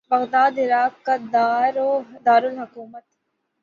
Baghdad Iraq کا دار الحکومت